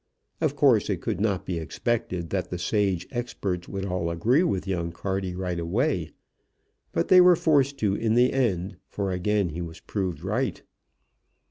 Of course it could not be expected that the sage experts would all agree with young Carty right away; but they were forced to in the end, for again he was proved right.